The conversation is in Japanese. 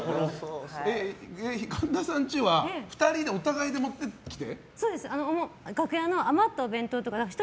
神田さん家は２人でお互いで持ってきて？